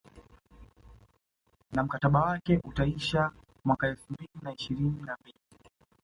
Na mkataba wake utaisha mwaka elfu mbili na ishirini na mbili